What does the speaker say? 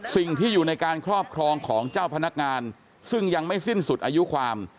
สิ่งที่อยู่ในการครอบครองของเจ้าพนักงานซึ่งยังไม่สิ้นสุดอายุความ